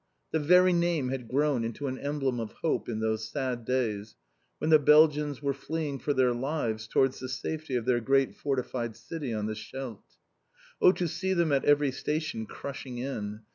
The very name had grown into an emblem of hope in those sad days, when the Belgians were fleeing for their lives towards the safety of their great fortified city on the Scheldt. Oh, to see them at every station, crushing in!